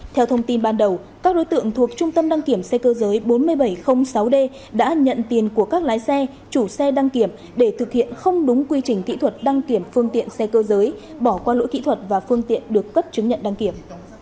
theo thông tin ban đầu các đối tượng thuộc trung tâm đăng kiểm xe cơ giới bốn nghìn bảy trăm linh sáu d đã nhận tiền của các lái xe chủ xe đăng kiểm để thực hiện không đúng quy trình kỹ thuật đăng kiểm phương tiện xe cơ giới bỏ qua lỗi kỹ thuật và phương tiện được cấp chứng nhận đăng kiểm